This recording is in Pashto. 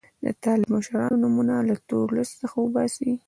د طالب مشرانو نومونه له تور لیست څخه وباسي.